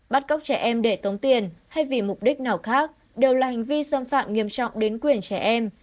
bắt cóc trẻ em để tống tiền hay vì mục đích nào khác đều là hành vi xâm phạm nghiêm trọng đến quyền trẻ em